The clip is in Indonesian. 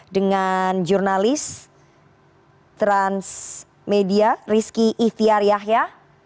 dengan jurnalis transmedia rizky ifyaryah ya